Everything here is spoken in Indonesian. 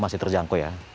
masih terjangkau ya